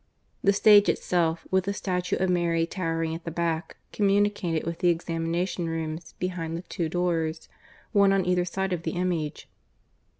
The stage itself, with a statue of Mary towering at the back, communicated with the examination rooms behind the two doors, one on either side of the image.